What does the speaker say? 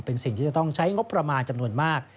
เป็นสิ่งที่จะต้องใช้งบประมาณจำนวนมาก